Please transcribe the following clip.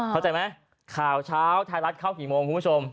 เข้าใจไหมข่าวเช้าไทยรัฐเข้ากี่โมงคุณผู้ชม